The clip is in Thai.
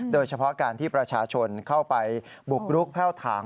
โดยเฉพาะการที่ประชาชนเข้าไปบุกรุกแพ่วถาง